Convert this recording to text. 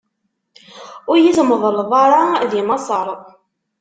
Ur yi-tmeḍleḍ ara di Maṣer!